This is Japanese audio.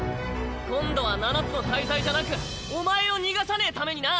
今度は七つの大罪じゃなくお前を逃がさねぇためにな。